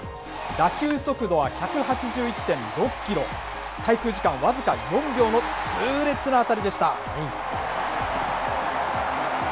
打球速度は１８１．６キロ、滞空時間僅か４秒の痛烈な当たりでした。